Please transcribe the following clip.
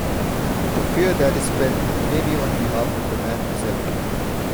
The fear that is felt may be on behalf of the man himself.